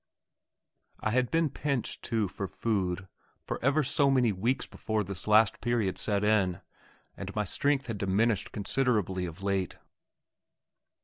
I had been pinched, too, for food for ever so many weeks before this last period set in, and my strength had diminished considerably of late.